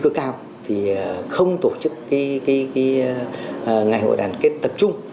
nguy cơ cao thì không tổ chức ngày hội đại đoàn kết tập trung